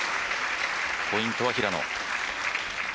ポイントは平野。